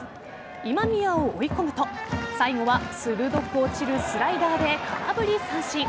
今宮を追い込むと最後は鋭く落ちるスライダーで空振り三振。